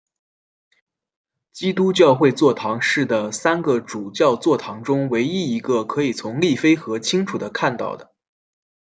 基督教会座堂是的三个主教座堂中唯一一个可以从利菲河清楚地看到的。